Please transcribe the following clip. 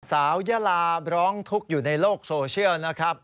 ยาลาร้องทุกข์อยู่ในโลกโซเชียลนะครับ